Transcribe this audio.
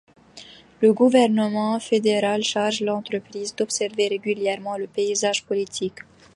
Le gouvernement fédéral charge l'entreprise d'observer régulièrement le paysage politique.